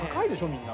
みんな。